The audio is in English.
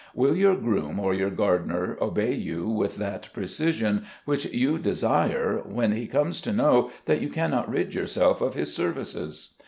Will your groom or your gardener obey you with that precision which you desire when he comes to know that you cannot rid yourself of his services?